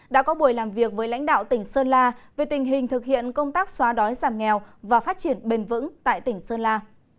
đã có buổi làm việc với lãnh đạo tỉnh sơn la về tình hình thực hiện công tác xóa đói giảm nghèo và phát triển bền vững tại tỉnh sơn la